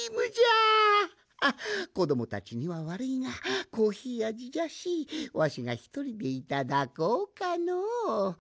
あっこどもたちにはわるいがコーヒーあじじゃしわしがひとりでいただこうかの。